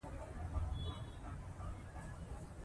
تولستوی د خپلو لیکنو له لارې خلکو ته لاره وښوده.